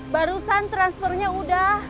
barusan transfernya udah